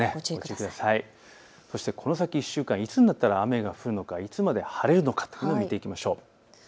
この先１週間、いつになったら雨が降るのか、いつまで晴れるのかというのを見ていきましょう。